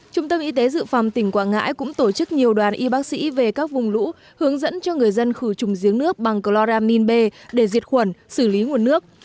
trung tâm y tế dự phòng tỉnh quảng ngãi cũng tổ chức nhiều đoàn y bác sĩ về các vùng lũ hướng dẫn cho người dân khử trùng giếng nước bằng chloramin b để diệt khuẩn xử lý nguồn nước